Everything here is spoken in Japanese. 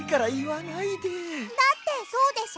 だってそうでしょ？